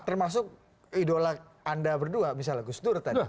termasuk idola anda berdua misalnya gustur tadi